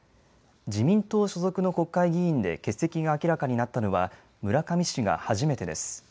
自民党所属の国会議員で欠席が明らかになったのは村上氏が初めてです。